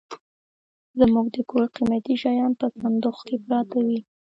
زموږ د کور قيمتي شيان په صندوخ کي پراته وي.